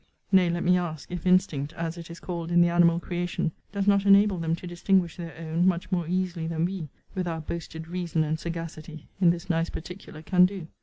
Nay, let me ask, if instinct, as it is called, in the animal creation, does not enable them to distinguish their own, much more easily than we, with our boasted reason and sagacity, in this nice particular, can do?